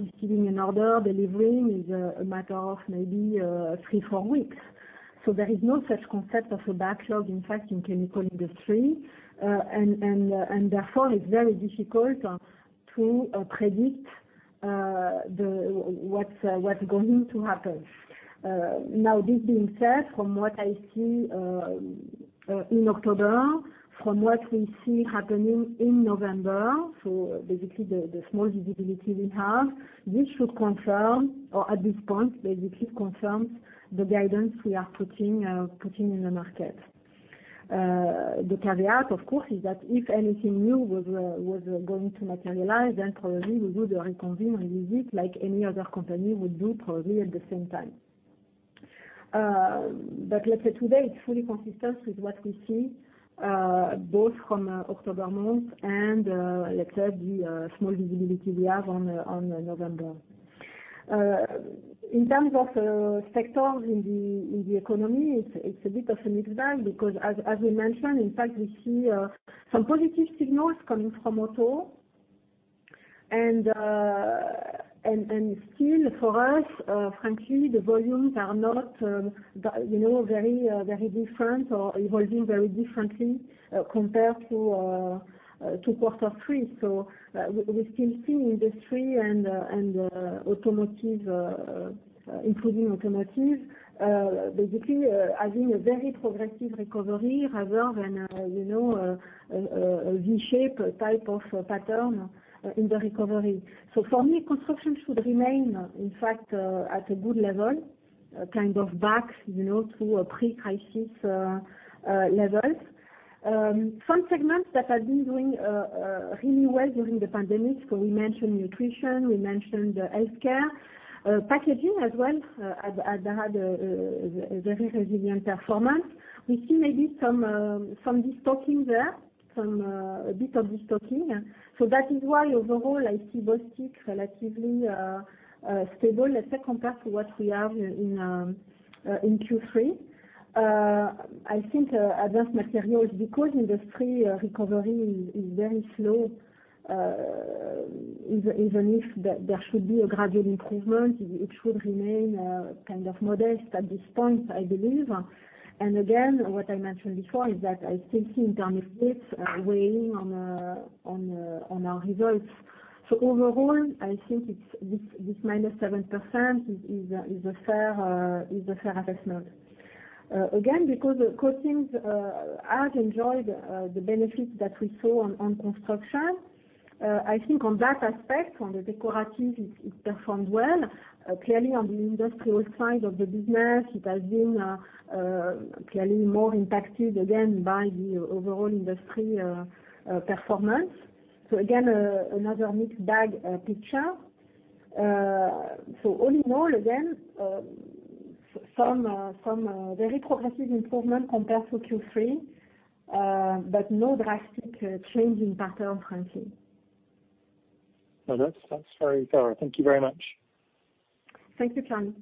receiving an order, delivering, is a matter of maybe three, four weeks. There is no such concept of a backlog, in fact, in chemical industry. Therefore, it's very difficult to predict what's going to happen. Now, this being said, from what I see in October, from what we see happening in November, so basically the small visibility we have, this should confirm or at this point, basically confirms the guidance we are putting in the market. The caveat, of course, is that if anything new was going to materialize, then probably we would reconvene, revisit, like any other company would do probably at the same time. Let's say today it's fully consistent with what we see, both from October month and, let's say, the small visibility we have on November. In terms of sectors in the economy, it's a bit of a mixed bag because as we mentioned, in fact, we see some positive signals coming from auto and still for us, frankly, the volumes are not very different or evolving very differently compared to quarter three. We're still seeing industry and automotive, including automotive, basically having a very progressive recovery rather than a V-shape type of pattern in the recovery. For me, construction should remain, in fact, at a good level, kind of back to pre-crisis levels. Some segments that have been doing really well during the pandemic, so we mentioned nutrition, we mentioned healthcare, packaging as well, have had a very resilient performance. We see maybe some destocking there, a bit of destocking. That is why overall I see Bostik relatively stable, let's say, compared to what we have in Q3. I think Advanced Materials, because industry recovery is very slow, even if there should be a gradual improvement, it should remain kind of modest at this point, I believe. Again, what I mentioned before is that I still see Intermediates weighing on our results. Overall, I think this -7% is a fair assessment. Again, because coatings have enjoyed the benefits that we saw on construction, I think on that aspect, on the decorative, it performed well. Clearly on the industrial side of the business, it has been clearly more impacted again by the overall industry performance. Again, another mixed bag picture. All in all, again, some very progressive improvement compared to Q3, but no drastic change in pattern, frankly. No, that's very thorough. Thank you very much. Thank you, Charles.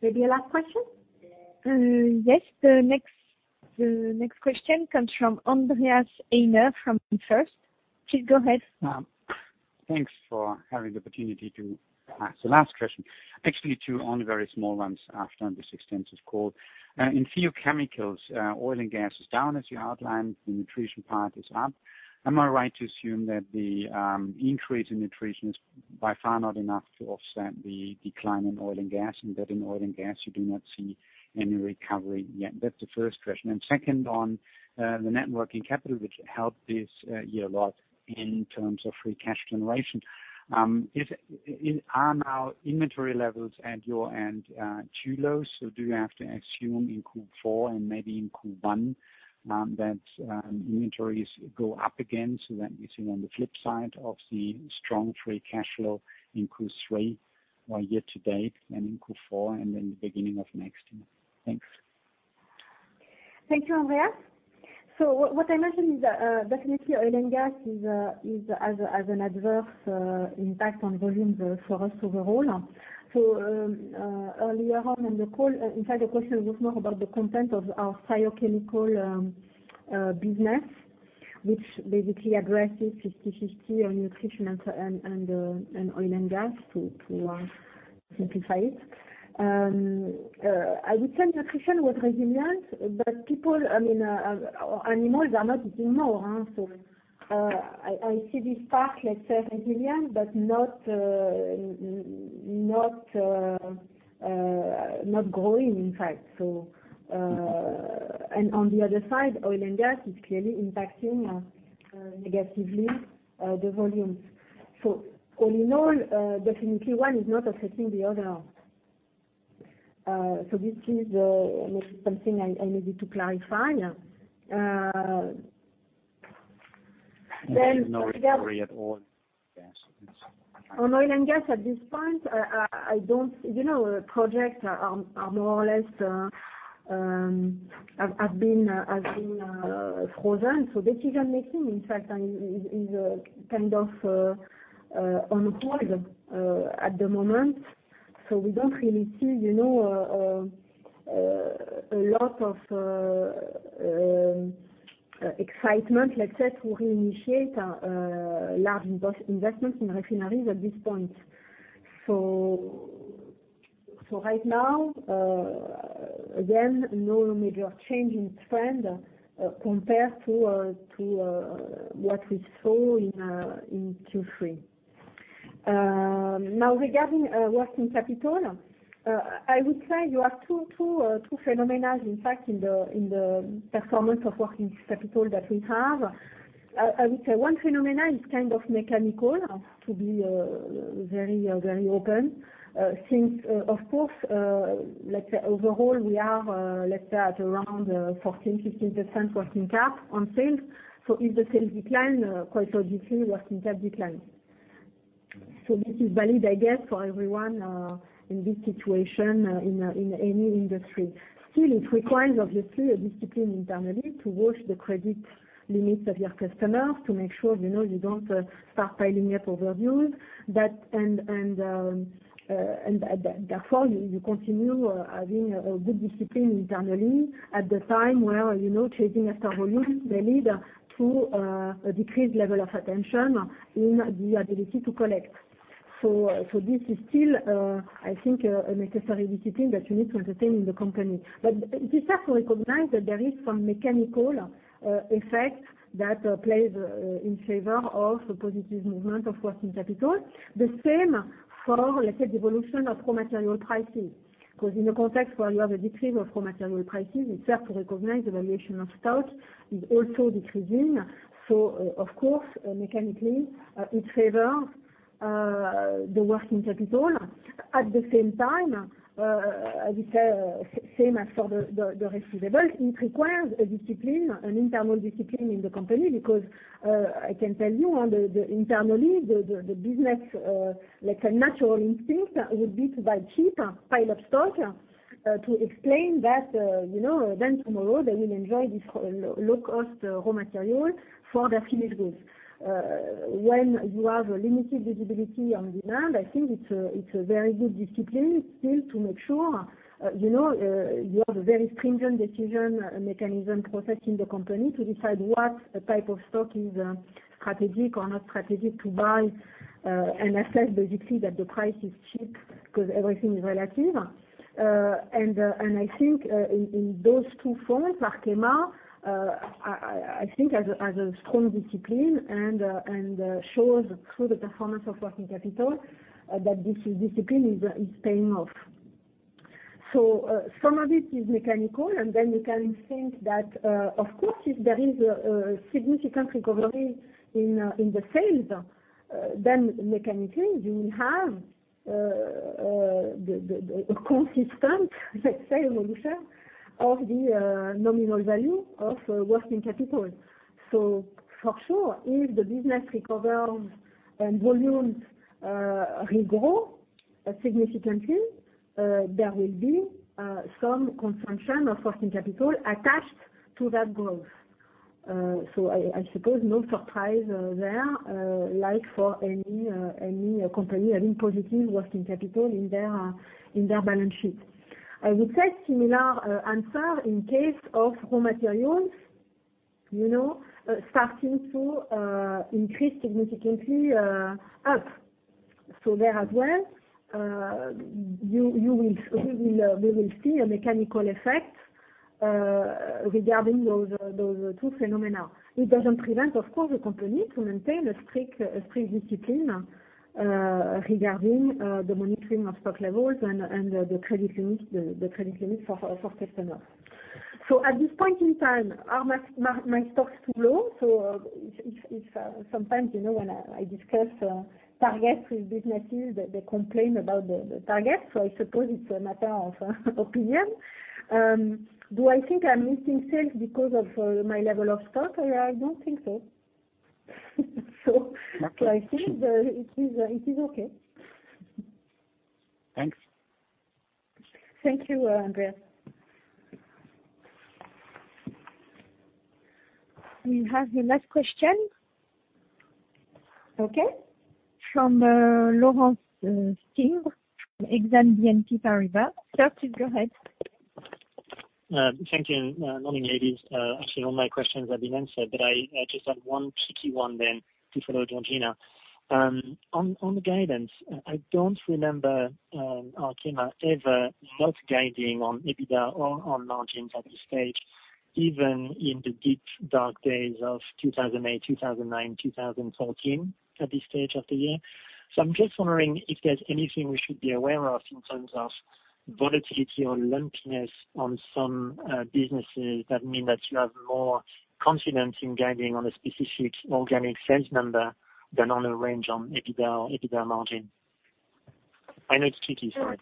Maybe a last question? Yes, the next question comes from Andreas Heine from First. Please go ahead. Thanks for having the opportunity to ask the last question. Actually two, only very small ones after this extensive call. In few chemicals, oil and gas is down as you outlined, the nutrition part is up. Am I right to assume that the increase in nutrition is by far not enough to offset the decline in oil and gas, and that in oil and gas, you do not see any recovery yet? That's the first question. Second, on the net working capital, which helped this year a lot in terms of free cash generation. Are now inventory levels at your end too low? Do you have to assume in Q4 and maybe in Q1 that inventories go up again so that we see on the flip side of the strong free cash flow in Q3 year-to-date and in Q4 and in the beginning of next year? Thanks. Thank you, Andreas. What I mentioned is definitely oil and gas has an adverse impact on volumes for us overall. Earlier on in the call, in fact, the question was more about the content of our chemical business, which basically addresses 50/50 on nutrition and oil and gas, to simplify it. I would say nutrition was resilient, but people, I mean, animals are not eating more. I see this part, let's say resilient, but not growing, in fact. On the other side, oil and gas is clearly impacting negatively the volumes. All in all, definitely one is not affecting the other. This is something I needed to clarify. There's no recovery at all in gas. On oil and gas at this point, projects are more or less have been frozen. Decision-making, in fact, is kind of on hold at the moment. We don't really see a lot of excitement, let's say, to reinitiate large investments in refineries at this point. Right now, again, no major change in trend compared to what we saw in Q3. Now regarding working capital, I would say you have two phenomena, in fact, in the performance of working capital that we have. I would say one phenomenon is kind of mechanical, to be very open. Since of course, let's say overall we are at around 14%-15% working cap on sales. If the sales decline, quite obviously, working cap declines. This is valid, I guess, for everyone in this situation, in any industry. It requires, obviously, a discipline internally to watch the credit limits of your customers to make sure you don't start piling up overdues. You continue having a good discipline internally at the time where, chasing after volumes may lead to a decreased level of attention in the ability to collect. This is still, I think, a necessary discipline that you need to entertain in the company. It is fair to recognize that there is some mechanical effect that plays in favor of a positive movement of working capital. The same for, let's say, the evolution of raw material pricing. In a context where you have a decrease of raw material pricing, it's fair to recognize the valuation of stock is also decreasing. Of course, mechanically, it favors the working capital. At the same time, I would say, same as for the receivables, it requires a discipline, an internal discipline in the company because I can tell you, internally, the business, let's say, natural instinct would be to buy cheap, pile up stock, to explain that then tomorrow they will enjoy this low-cost raw material for their finished goods. When you have a limited visibility on demand, I think it's a very good discipline still to make sure you have a very stringent decision mechanism process in the company to decide what type of stock is strategic or not strategic to buy, and assess basically that the price is cheap, because everything is relative. I think in those two forms, Arkema, I think has a strong discipline and shows through the performance of working capital that this discipline is paying off. Some of it is mechanical, and then you can think that, of course, if there is a significant recovery in the sales, then mechanically, you will have a consistent, let's say, evolution of the nominal value of working capital. For sure, if the business recovers and volumes regrow significantly, there will be some consumption of working capital attached to that growth. I suppose no surprise there, like for any company having positive working capital in their balance sheet. I would say similar answer in case of raw materials starting to increase significantly up. There as well, we will see a mechanical effect regarding those two phenomena. It doesn't prevent, of course, the company to maintain a strict discipline regarding the monitoring of stock levels and the credit limits for customers. At this point in time, are my stocks too low? Sometimes, when I discuss targets with businesses, they complain about the targets. I suppose it's a matter of opinion. Do I think I'm losing sales because of my level of stock? I don't think so. I think it is okay. Thanks. Thank you, Andreas. We have the last question. Okay. From Laurent Favre, Exane BNP Paribas. Thank you. Morning, ladies. Actually, all my questions have been answered. I just had one picky one then to follow Georgina. On the guidance, I don't remember Arkema ever not guiding on EBITDA or on margins at this stage, even in the deep dark days of 2008, 2009, 2014 at this stage of the year. I'm just wondering if there's anything we should be aware of in terms of volatility or lumpiness on some businesses that mean that you have more confidence in guiding on a specific organic sales number. The normal range on EBITDA margin. I know it's tricky, sorry.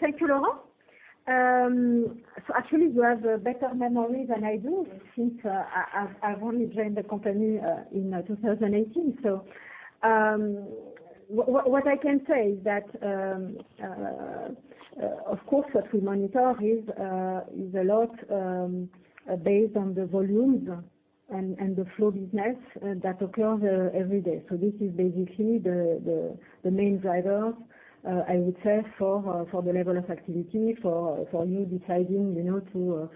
Thank you, Laurent. Actually, you have a better memory than I do since I've only joined the company in 2018. What I can say is that, of course, what we monitor is a lot based on the volumes and the flow business that occurs every day. This is basically the main driver, I would say, for the level of activity, for you deciding to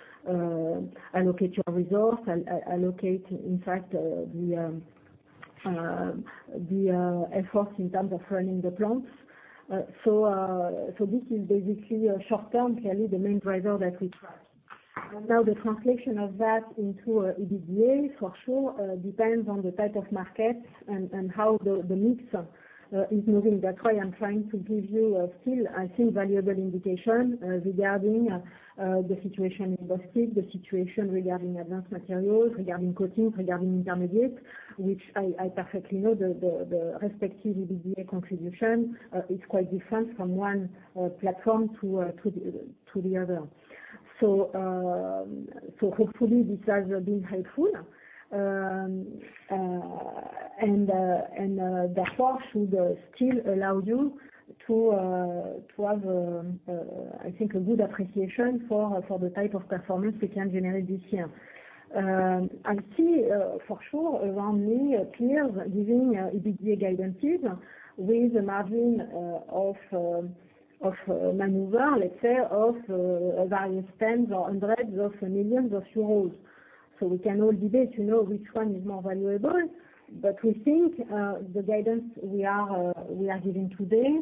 allocate your resource and allocate, in fact, the efforts in terms of running the plants. This is basically short-term, clearly the main driver that we track. Now the translation of that into EBITDA, for sure, depends on the type of market and how the mix is moving. That's why I'm trying to give you still, I think, valuable indication regarding the situation in Bostik, the situation regarding Advanced Materials, regarding coatings, regarding Intermediates, which I perfectly know the respective EBITDA contribution is quite different from one platform to the other. Hopefully this has been helpful, and therefore should still allow you to have, I think, a good appreciation for the type of performance we can generate this year. I see, for sure, around me, peers giving EBITDA guidances with a margin of maneuver, let's say, of various tens or 100 million euros. We can all debate, which one is more valuable, but we think, the guidance we are giving today,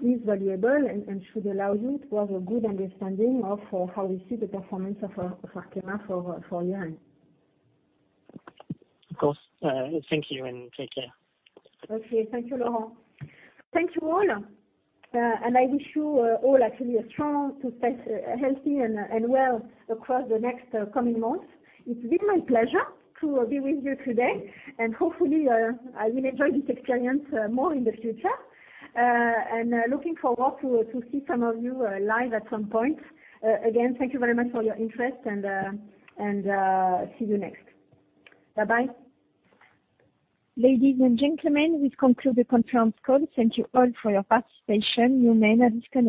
is valuable and should allow you to have a good understanding of how we see the performance of Arkema for year-end. Of course. Thank you, and take care. Okay. Thank you, Laurent. Thank you all, and I wish you all actually a strong, healthy, and well across the next coming months. It's been my pleasure to be with you today, and hopefully, I will enjoy this experience more in the future. Looking forward to see some of you live at some point. Again, thank you very much for your interest, and see you next. Bye-bye. Ladies and gentlemen, this concludes the conference call. Thank you all for your participation. You may disconnect.